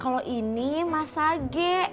kalau ini masage